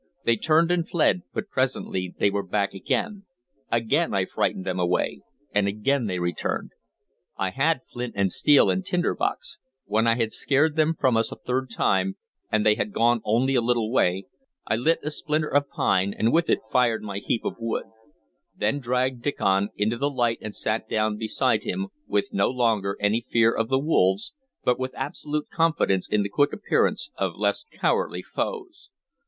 They turned and fled, but presently they were back again. Again I frightened them away, and again they returned. I had flint and steel and tinder box; when I had scared them from us a third time, and they had gone only a little way, I lit a splinter of pine, and with it fired my heap of wood; then dragged Diccon into the light and sat down beside him, with no longer any fear of the wolves, but with absolute confidence in the quick appearance of less cowardly foes.